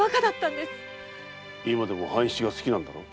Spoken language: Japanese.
今でも半七が好きなんだろう？